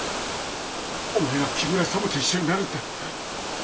お前は木村様と一緒になるんだ。